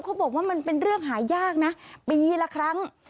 เขาบอกว่ามันเป็นเรื่องหายากนะปีละครั้ง